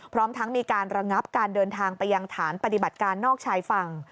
พร้อมทั้งมีการระงับการเดินทางไปยังฐานปฏิบัติการนอกชายฝั่ง